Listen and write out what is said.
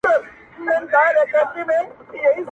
زه راغلی یم چي لار نه کړمه ورکه!.